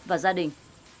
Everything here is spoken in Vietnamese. và gia đình